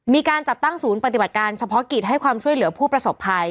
มีการจัดตั้งศูนย์ปฏิบัติการเฉพาะกิจให้ความช่วยเหลือผู้ประสบภัย